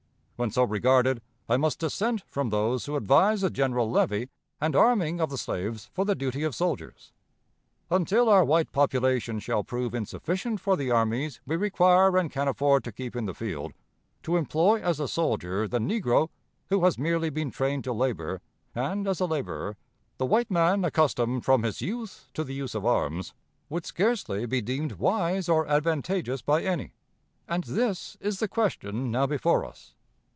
When so regarded, I must dissent from those who advise a general levy and arming of the slaves for the duty of soldiers. Until our white population shall prove insufficient for the armies we require and can afford to keep in the field, to employ as a soldier the negro, who has merely been trained to labor, and, as a laborer, the white man accustomed from his youth to the use of arms, would scarcely be deemed wise or advantageous by any; and this is the question now before us.